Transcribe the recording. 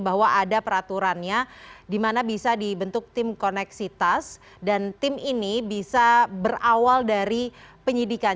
bahwa ada peraturannya dimana bisa dibentuk tim koneksi tas dan tim ini bisa berawal dari penyidikan